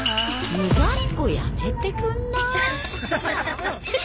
無在庫やめてくんない？